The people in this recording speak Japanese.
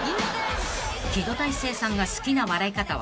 ［木戸大聖さんが好きな笑い方は？］